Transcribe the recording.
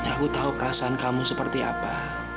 aku tahu perasaan kamu seperti apa